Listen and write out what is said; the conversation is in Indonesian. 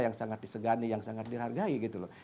yang sangat disegani yang sangat dihargai gitu loh